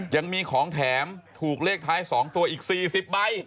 ยังมีของแถมถูกเลขท้าย๒ตัวอีก๔๐ใบ